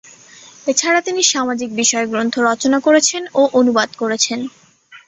এছাড়া, তিনি সামাজিক বিষয়ক গ্রন্থ রচনা করেছেন ও অনুবাদ করেছেন।